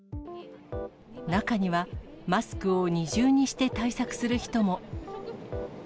中には、マスクを二重にして対策する人も。